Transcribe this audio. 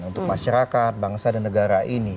untuk masyarakat bangsa dan negara ini